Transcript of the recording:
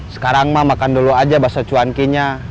sekarang mah makan dulu aja bakso cuankinya